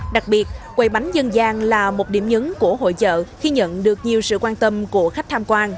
đặc biệt quầy bánh dân gian là một điểm nhấn của hội chợ khi nhận được nhiều sự quan tâm của khách tham quan